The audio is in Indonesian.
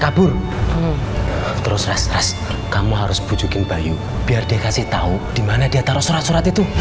kabur terus rest res kamu harus bujukin bayu biar dikasih tahu dimana dia taruh surat surat itu